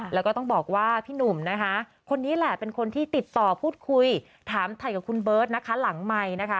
แล้วก็ต้องบอกว่าพี่หนุ่มนะคะคนนี้แหละเป็นคนที่ติดต่อพูดคุยถามถ่ายกับคุณเบิร์ตนะคะหลังไมค์นะคะ